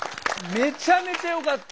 めちゃめちゃよかった！